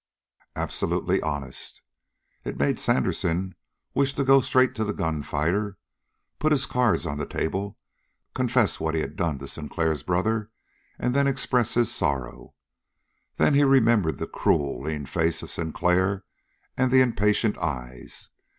"Absolutely honest!" It made Sandersen wish to go straight to the gunfighter, put his cards on the table, confess what he had done to Sinclair's brother, and then express his sorrow. Then he remembered the cruel, lean face of Sinclair and the impatient eyes.